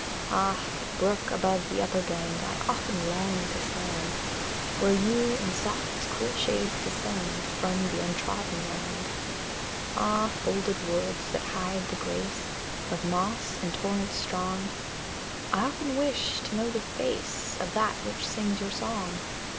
Ah, brook above the upper bend, I often long to stand Where you in soft, cool shades descend From the untrodden land! Ah, folded woods, that hide the grace Of moss and torrents strong, I often wish to know the face Of that which sings your song!